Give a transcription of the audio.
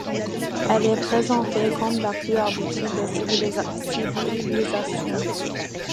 Elle est présentée comme la plus aboutie des civilisations.